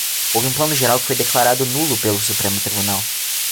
Houve um Plano Geral que foi declarado nulo pelo Supremo Tribunal.